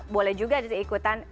boleh juga diikutan